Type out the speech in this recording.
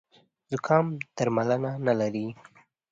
زوکام درملنه نه لري